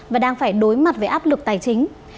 và đang phải đối mặt với áp lực tài chính